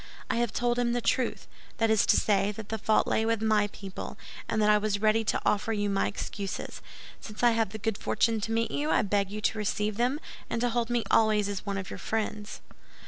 I have told him the truth; that is to say, that the fault lay with my people, and that I was ready to offer you my excuses. Since I have the good fortune to meet you, I beg you to receive them, and to hold me always as one of your friends."